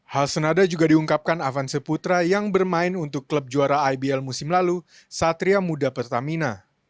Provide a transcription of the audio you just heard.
hal senada juga diungkapkan avan seputra yang bermain untuk klub juara ibl musim lalu satria muda pertamina